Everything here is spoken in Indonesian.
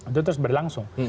itu terus berlangsung